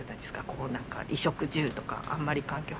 こうなんか衣食住とかあんまり。